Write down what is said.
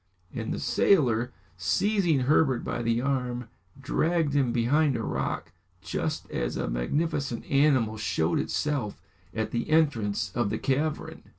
And the sailor, seizing Herbert by the arm, dragged him behind a rock, just as a magnificent animal showed itself at the entrance of the cavern.